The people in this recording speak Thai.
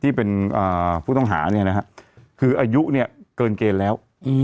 ที่เป็นผู้ต้องหาเนี่ยนะฮะคืออายุเนี่ยเกินเกณฑ์แล้ว